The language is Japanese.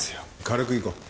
軽くいこう。